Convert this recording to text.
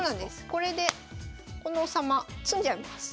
これでこの王様詰んじゃいます。